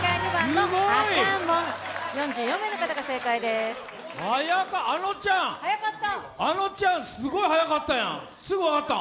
すごい、あのちゃん、すごい速かったやん、すぐ分かった？